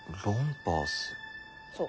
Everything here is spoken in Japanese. そう。